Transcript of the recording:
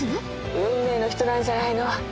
・運命の人なんじゃないの？